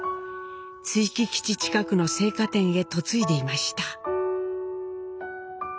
築城基地近くの青果店へ嫁いでいました。